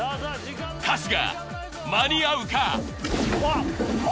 春日間に合うか？